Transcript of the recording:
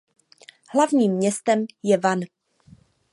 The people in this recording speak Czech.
Hlavním městem je Van.